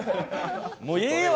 もうええよ！